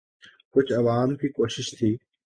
کچھ عوام کی کوشش تھی۔